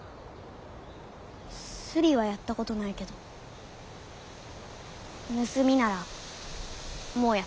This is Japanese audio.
スリはやったことないけど盗みならもうやった。